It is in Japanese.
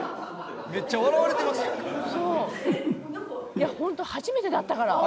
いやほんと初めてだったから。